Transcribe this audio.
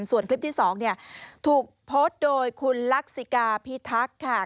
ส่วนคลิปที่๒ถูกโพสต์โดยคุณลักษิกาพิทักษ์ค่ะ